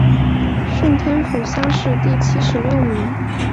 顺天府乡试第七十六名。